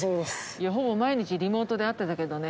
いやほぼ毎日リモートで会ってたけどね。